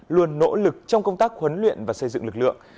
luôn nỗ lực trong công tác huấn luyện và xây dựng lực lượng